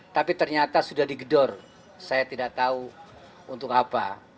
tapi ternyata sudah digedor saya tidak tahu untuk apa